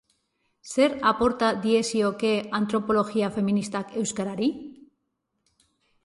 Zer aporta diezioke antropologia feministak euskarari?